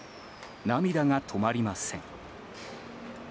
涙が止まりません。